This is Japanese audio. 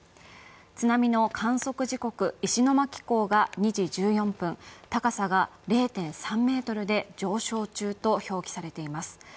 津波の観測時刻、石巻港２４分、高さが０．３ｍで、上昇中と表記されています。